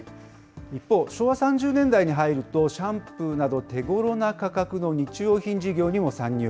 一方、昭和３０年代に入るとシャンプーなど、手ごろな価格の日用品事業にも参入。